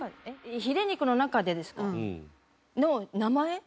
ヒレ肉の中でですか？の名前？